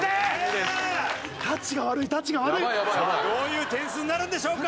さあどういう点数になるんでしょうか？